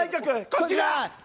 こちら！